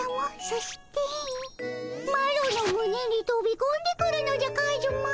そしてマロのむねにとびこんでくるのじゃカズマ。